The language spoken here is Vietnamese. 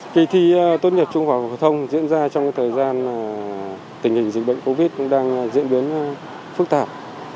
kỳ thi tốt nhật trung hòa hòa thông diễn ra trong thời gian tình hình dịch bệnh covid đang diễn biến phức tạp